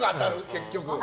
結局。